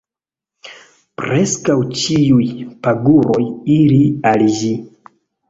Preskaŭ ĉiuj paguroj iri al ĝi.